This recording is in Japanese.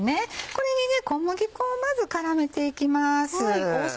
これに小麦粉をまず絡めていきます。